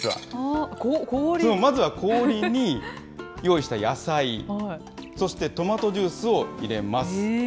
まずは氷に、用意した野菜、そしてトマトジュースを入れます。